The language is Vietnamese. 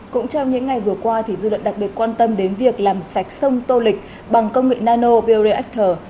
cũng trong những ngày vừa qua dư luận đặc biệt quan tâm đến việc làm sạch sông tô lịch bằng công nghệ nano beroreactor